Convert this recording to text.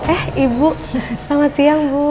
eh ibu selamat siang bu